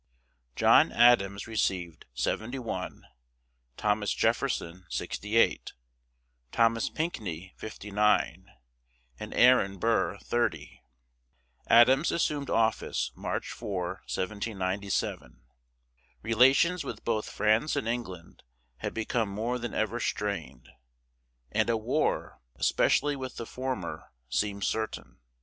John Adams received seventy one, Thomas Jefferson sixty eight, Thomas Pinckney fifty nine, and Aaron Burr thirty. Adams assumed office March 4, 1797. Relations with both France and England had become more than ever strained, and a war, especially with the former, seemed certain.